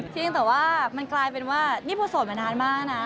จริงแต่ว่ามันกลายเป็นว่านี่พอโสดมานานมากนะ